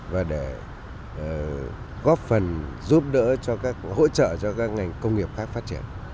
và để góp phần giúp đỡ hỗ trợ cho các ngành công nghiệp khác phát triển